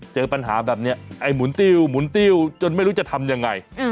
เจอปัญหาแบบนี้ไอ้หมุนติวจนไม่รู้จะทำยังไง